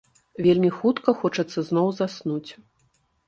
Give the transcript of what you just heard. Вельмі хутка хочацца зноў заснуць.